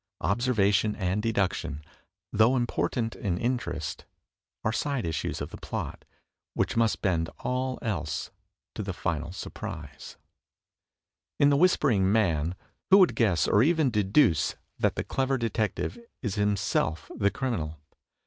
Observa tion and deduction, though important in interest, are side issues of the plot — which must bend all else to the final sur prise. 294 THE TECHNIQUE OF THE MYSTERY STORY In "The Whispering Man," who would guess or even deduce that the clever detective is himself the criminal?